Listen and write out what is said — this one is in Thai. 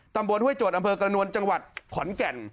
ห้วยโจทย์อำเภอกระนวลจังหวัดขอนแก่น